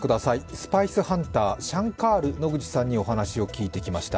スパイスハンターシャンカール・ノグチさんにお話を聞いてきました。